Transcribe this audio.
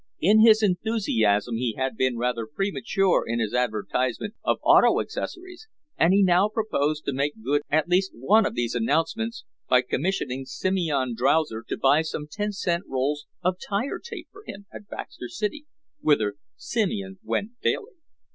In his enthusiasm he had been rather premature in his advertisement of auto accessories and he now purposed to make good at least one of these announcements by commissioning Simeon Drowser to buy some ten cent rolls of tire tape for him at Baxter City, whither Simeon went daily.